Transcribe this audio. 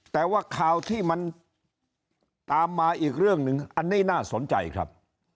แต่ว่าข่าวที่มันตามมาอีกเรื่องหนึ่งอันนี้น่าสนใจครับ